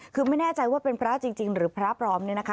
คือไม่แน่ใจว่าเป็นพระจริงหรือพระปลอมเนี่ยนะคะ